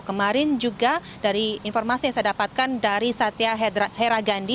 kemarin juga dari informasi yang saya dapatkan dari satya heragandi